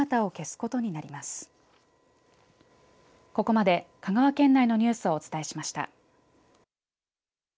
ここまで、香川県内のニュースをお伝えしました。